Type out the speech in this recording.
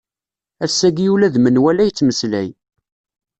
Ass-agi ula d menwala yettmeslay.